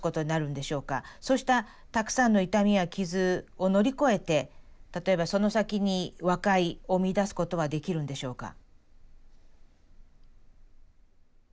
そうしたたくさんの痛みや傷を乗り越えて例えばその先に和解を見いだすことはできるんでしょうか？